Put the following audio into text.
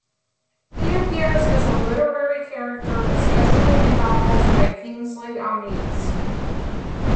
He appears as a literary character, especially in novels by Kingsley Amis.